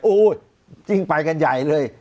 โอ้โหจริงไปกันใหญ่เลย